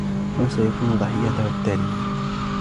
من سيكون ضحيته التالية ؟